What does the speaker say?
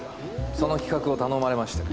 その企画を頼まれましてね。